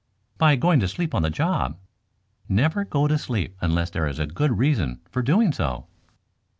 "By going to sleep on the job. Never go to sleep unless there is good reason for doing so."